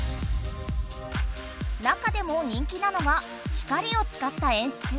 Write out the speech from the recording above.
中でも人気なのが光を使った演出。